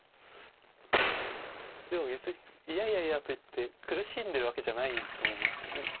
でも別に「いやいやいや」と言って苦しんでるわけじゃないと思いますね。